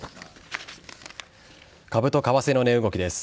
株と為替の値動きです。